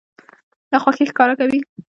ناخوښي ښکاره کوي.